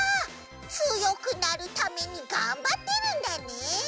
つよくなるためにがんばってるんだね！